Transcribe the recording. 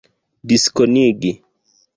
diskonigi